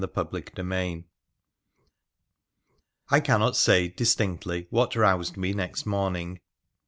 CHAPTER XVII I cannot say, distinctly, what roused me next morning.